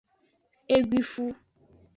Eguifu.